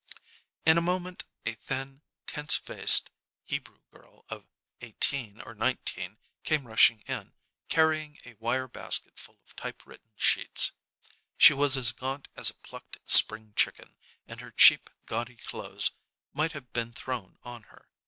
In a moment a thin, tense faced Hebrew girl of eighteen or nineteen came rushing in, carrying a wire basket full of typewritten sheets. She was as gaunt as a plucked spring chicken, and her cheap, gaudy clothes might have been thrown on her.